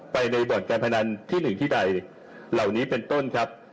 ในบ่อนการพนันที่๑ที่ใดเหล่านี้เป็นต้นครับ